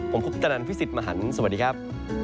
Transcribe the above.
ผมคุปตนันพี่สิทธิ์มหันฯสวัสดีครับ